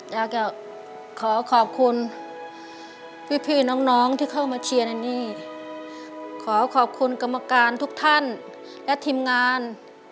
แล้วก็ขอขอบคุณพี่น้องที่เข้ามาเชียร์ในนี่ขอขอบคุณกรรมการทุกท่านและทีมงาน